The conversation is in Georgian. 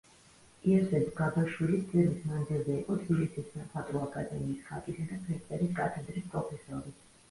იოსებ გაბაშვილი წლების მანძილზე იყო თბილისის სამხატვრო აკადემიის ხატვისა და ფერწერის კათედრის პროფესორი.